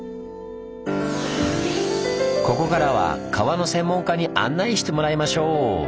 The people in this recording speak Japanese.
ここからは川の専門家に案内してもらいましょう！